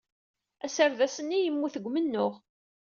Aserdas-nni yemmut deg umennuɣ.